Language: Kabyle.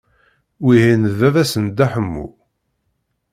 Wihin d baba-s n Dda Ḥemmu.